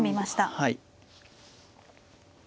はい。